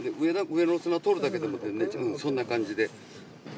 上の砂取るだけでも全然違うそんな感じで。